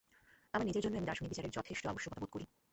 আমার নিজের জন্যই আমি দার্শনিক বিচারের যথেষ্ট আবশ্যকতা বোধ করি।